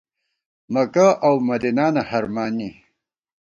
مکہ اؤ مدینانہ ہرمانی